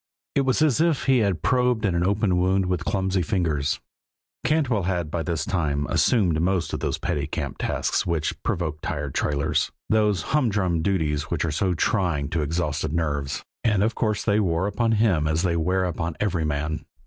It was as if he had probed at an open wound with clumsy fingers. Cantwell had by this time assumed most of those petty camp tasks which provoke tired trailers, those humdrum duties which are so trying to exhausted nerves, and of course they wore upon him as they wear upon every man.